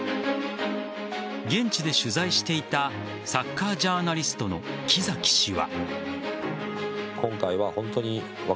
現地で取材していたサッカージャーナリストの木崎氏は。